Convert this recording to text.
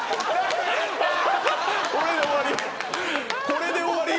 これで終わり？